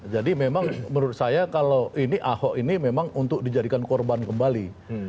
jadi memang menurut saya kalau ini ahok ini memang untuk dijadikan korban kembali